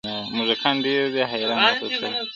موږکان ډېر دي حیران ورته سړی دی,